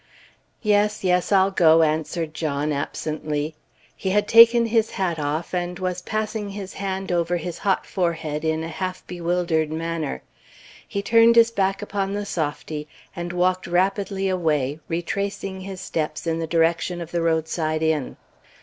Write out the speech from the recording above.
"Yes, yes, I'll go," answered John, absently. He had taken his hat off, and was passing his hand over his hot forehead in a half bewildered manner. He turned his back upon the softy, and walked rapidly away, retracing his steps in the direction of the roadside inn.